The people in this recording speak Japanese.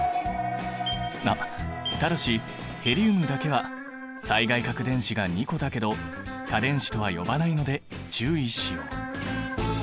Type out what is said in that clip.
あっただしヘリウムだけは最外殻電子が２個だけど価電子とは呼ばないので注意しよう。